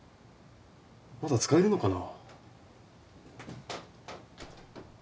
まだ使えるのかな？